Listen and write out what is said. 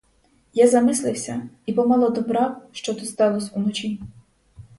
Я замислився і помалу добрав, що тут сталось уночі.